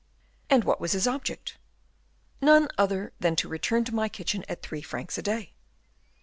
"And what was his object?" "None other than to return to my kitchen at three francs a day."